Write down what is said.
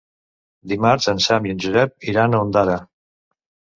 Dimarts en Sam i en Josep iran a Ondara.